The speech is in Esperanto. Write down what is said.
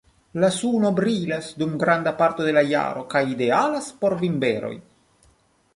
La suno brilas dum granda parto de la jaro kaj idealas por vinberoj.